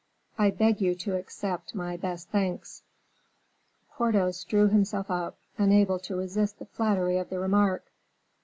I beg you to accept my best thanks." Porthos drew himself up, unable to resist the flattery of the remark.